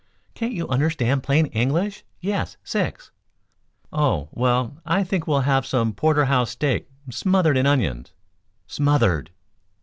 Can't you understand plain English? Yes, six. Oh, well, I think we'll have some porter house steak smothered in onions. Smothered!